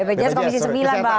bpjs komisi sembilan bang